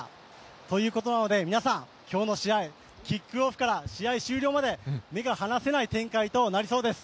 ということなので、キックオフから試合終了まで目が離せない展開となりそうです。